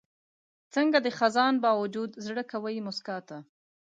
څنګه د خزان باوجود زړه کوي موسکا ته؟